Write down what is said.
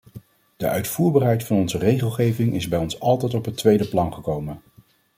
De uitvoerbaarheid van onze regelgeving is bij ons altijd op het tweede plan gekomen.